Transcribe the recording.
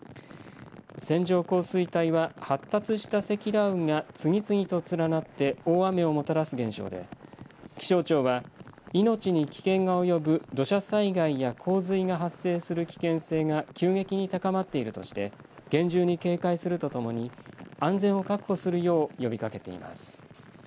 線状降水帯は発達した積乱雲が次々と連なって大雨をもたらす現象で気象庁は命に危険が及ぶ土砂災害や洪水が発生する危険性が急激に高まっているとして厳重に警戒するとともに安全を確保するよう呼びかけています。